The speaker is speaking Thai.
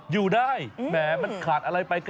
อยู่ได้แหมมันขาดอะไรไป